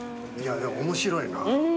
面白いな。